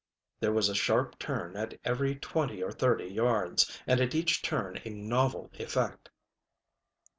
There was a sharp turn at every twenty or thirty yards, and at each turn a novel effect.